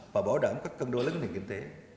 và bảo đảm các cân đô lớn nền kinh tế